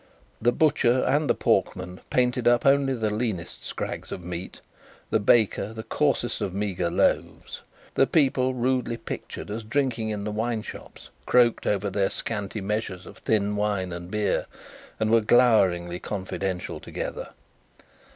The butcher and the porkman painted up, only the leanest scrags of meat; the baker, the coarsest of meagre loaves. The people rudely pictured as drinking in the wine shops, croaked over their scanty measures of thin wine and beer, and were gloweringly confidential together.